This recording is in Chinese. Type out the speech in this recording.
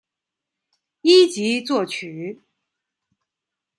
一级作曲。